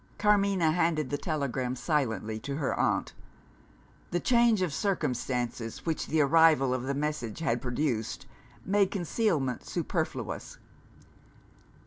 Carmina handed the telegram silently to her aunt. The change of circumstances which the arrival of the message had produced, made concealment superfluous.